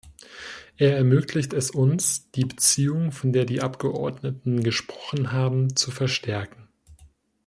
Er ermöglicht es uns, die Beziehung, von der die Abgeordneten gesprochen haben, zu verstärken.